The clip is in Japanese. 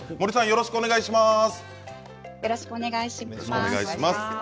よろしくお願いします。